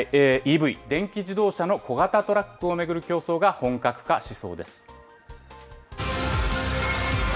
ＥＶ・電気自動車の小型トラックを巡る競争が本格化しそうです。